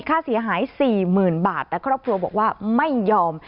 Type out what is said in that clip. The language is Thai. ค่าเสียหายสี่หมื่นบาทแต่ครอบครัวบอกว่าไม่ยอม